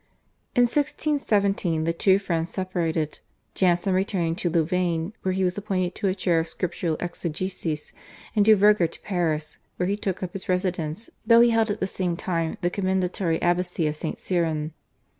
In 1617 the two friends separated, Jansen returning to Louvain, where he was appointed to a chair of scriptural exegesis, and du Verger to Paris, where he took up his residence though he held at the same time the commendatory abbacy of St. Cyran.